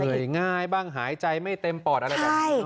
เหนื่อยง่ายบ้างหายใจไม่เต็มปอดอะไรอย่างนี้